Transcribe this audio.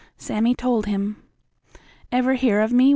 Sammie told him. "Ever hear of me?"